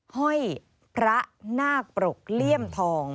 ห้อยพระนาคปรกเลี่ยมทอง